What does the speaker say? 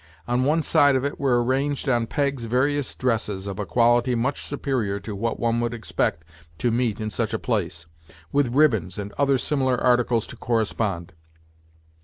On one side of it were arranged, on pegs, various dresses, of a quality much superior to what one would expect to meet in such a place, with ribbons and other similar articles to correspond.